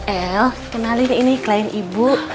el kenali ini klien ibu